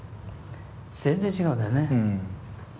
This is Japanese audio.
全然違うんだよね。